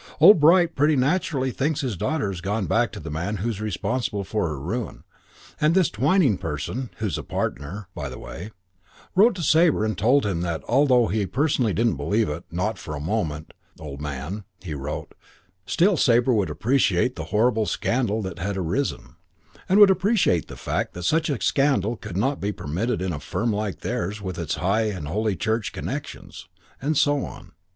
Old Bright pretty naturally thinks his daughter has gone back to the man who is responsible for her ruin, and this Twyning person who's a partner, by the way wrote to Sabre and told him that, although he personally didn't believe it 'not for a moment, old man,' he wrote still Sabre would appreciate the horrible scandal that had arisen, and would appreciate the fact that such a scandal could not be permitted in a firm like theirs with its high and holy Church connections. And so on.